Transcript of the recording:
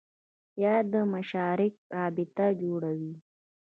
یا د مشارکت رابطه جوړوي